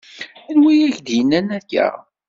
Anwa i ak-d-yennan aya?